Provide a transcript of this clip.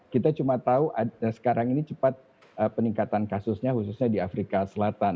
kita cuma tahu sekarang ini cepat peningkatan kasusnya khususnya di afrika selatan